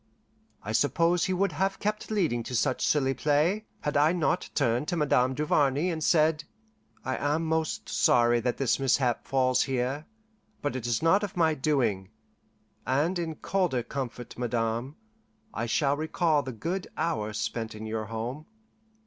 I suppose he would have kept leading to such silly play, had I not turned to Madame Duvarney and said, "I am most sorry that this mishap falls here; but it is not of my doing, and in colder comfort, Madame, I shall recall the good hours spent in your home."